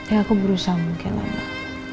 ya aku berusaha mungkin alah